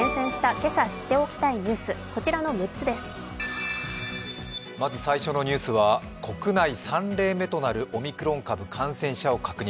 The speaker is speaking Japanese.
今朝知っておきたいニュースまず最初のニュースは国内３例目となるオミクロン株感染者を確認。